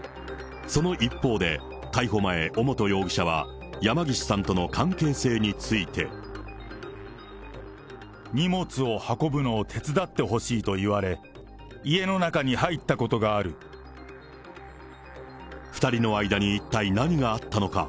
その一方で、逮捕前、尾本容疑者は山岸さんとの関係性について。荷物を運ぶのを手伝ってほしいと言われ、家の中に入ったこと２人の間に一体何があったのか。